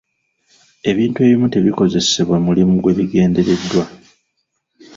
Ebintu ebimu tebikozesebwa mulimu gwe bigendereddwa.